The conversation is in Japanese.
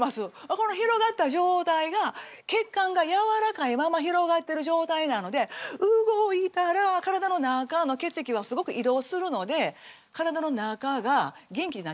この広がった状態が血管がやわらかいまま広がってる状態なので動いたら体の中の血液がすごく移動するので体の中が元気になっていくんですよ。